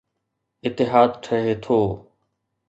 اتحاد ٺھي ٿو.